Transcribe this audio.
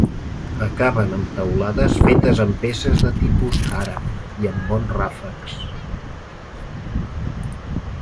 Acaben amb teulades fetes amb peces de tipus àrab i amb bons ràfecs.